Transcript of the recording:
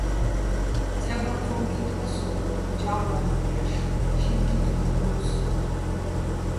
ცჰ̦ა ბაჴჴო́ჼ ქიტ ბა სო́გო, ჯა́ვარ მუყ ჲაშ, "შინქიტლიჼ" დო́ს.